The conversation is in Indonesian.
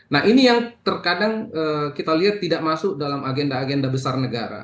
nah ini yang terkadang kita lihat tidak masuk dalam agenda agenda besar negara